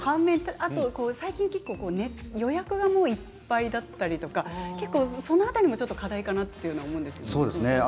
あと最近、予約がもういっぱいだったりとかその辺りも課題かなと思います。